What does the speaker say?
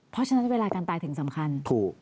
เพราะฉะนั้นเวลาการตายถึงสำคัญถูก